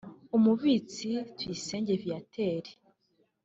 Umubitsi Tuyisenge Viateur